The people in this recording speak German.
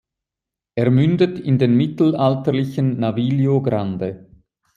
Er mündet in den mittelalterlichen Naviglio Grande.